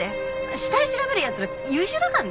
死体調べる奴ら優秀だからね。